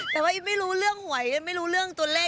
แต่ว่าไม่รู้เรื่องหวยไม่รู้เรื่องตัวเลข